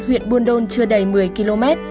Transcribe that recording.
huyện buôn đôn chưa đầy một mươi km